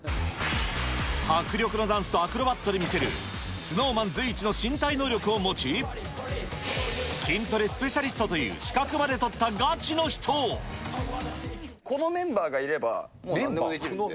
迫力のダンスとアクロバットで見せる、ＳｎｏｗＭａｎ随一の身体能力を持ち、筋トレスペシャリストとこのメンバーがいれば。